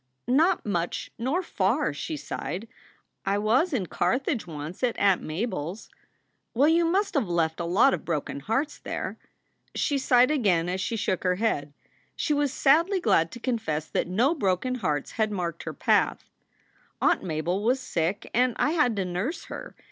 "Not much nor far," she sighed. "I was in Carthage once at Aunt Mabel s." "Well, you must have left a lot of broken hearts there." She sighed again as she shook her head. She was sadly glad to confess that no broken hearts had marked her path : "Aunt Mabel was sick and I had to nurse her.